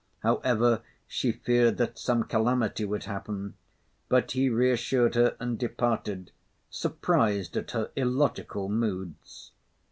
However, she feared that some calamity would happen. But he reassured her and departed, surprised at her illogical moods.